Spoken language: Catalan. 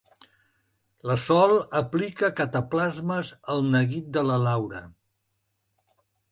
La Sol aplica cataplasmes al neguit de la Laura.